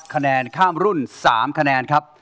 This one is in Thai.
คะแนนข้ามรุ่น๓คะแนนครับ